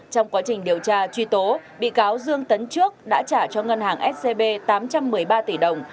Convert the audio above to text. trong quá trình điều tra truy tố bị cáo dương tấn trước đã trả cho ngân hàng scb tám trăm một mươi ba tỷ đồng